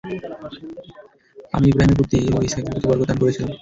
আমি ইবরাহীমের প্রতি ও ইসহাকের প্রতি বরকত দান করেছিলাম।